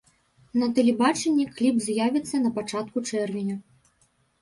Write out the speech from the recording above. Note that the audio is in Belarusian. На тэлебачанні кліп з'явіцца на пачатку чэрвеня.